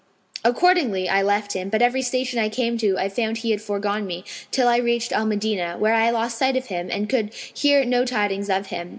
Accordingly, I left him; but every station I came to, I found he had foregone me, till I reached Al Medinah, where I lost sight of him and could hear no tidings of him.